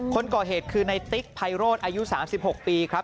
คนก่อเหตุคือในติ๊กไพโรธอายุ๓๖ปีครับ